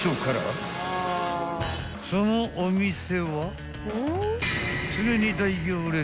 ［そのお店は常に］